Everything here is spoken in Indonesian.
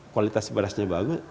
kualitas berasnya bagus